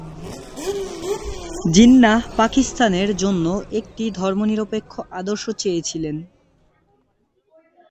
জিন্নাহ পাকিস্তানের জন্য একটি ধর্মনিরপেক্ষ আদর্শ চেয়েছিলেন।